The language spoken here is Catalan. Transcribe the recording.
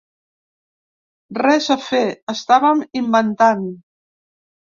Res a fer, estàvem inventant.